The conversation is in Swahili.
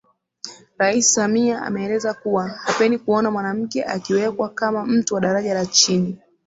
Rais Samia ameeleza kuwa hapendi kuona Mwanamke akiwekwa kama mtu wa daraja la chini